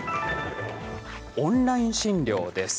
オンライン診療です。